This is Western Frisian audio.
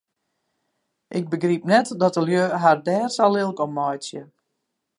Ik begryp net dat de lju har dêr sa lilk om meitsje.